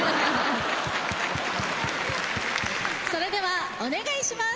それではお願いします。